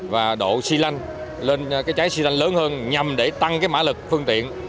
và đồ xe lanh lên trái xe lanh lớn hơn nhằm tăng mã lực phương tiện